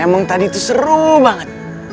emang tadi itu seru banget